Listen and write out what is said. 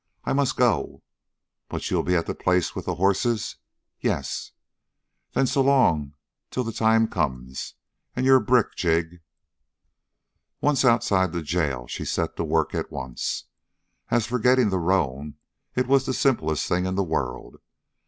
"I must go." "But you'll be at the place with the horses?" "Yes." "Then so long till the time comes. And you're a brick, Jig!" Once outside the jail, she set to work at once. As for getting the roan, it was the simplest thing in the world.